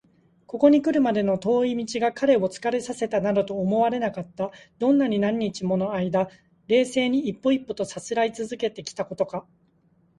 ここにくるまでの遠い道が彼を疲れさせたなどとは思われなかった。どんなに何日ものあいだ、冷静に一歩一歩とさすらいつづけてきたことか！